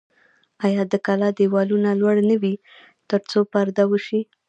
آیا د کلا دیوالونه لوړ نه وي ترڅو پرده وشي؟